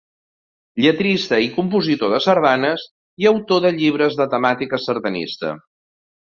Lletrista i compositor de sardanes, i autor de llibres de temàtica sardanista.